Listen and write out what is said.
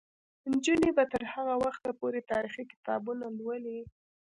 نجونې به تر هغه وخته پورې تاریخي کتابونه لولي.